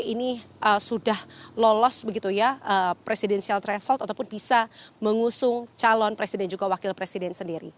ini sudah lolos begitu ya presidensial threshold ataupun bisa mengusung calon presiden juga wakil presiden sendiri